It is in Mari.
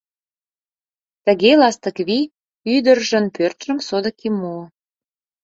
Тыге Ластыквий ӱдыржын пӧртшым содыки муо.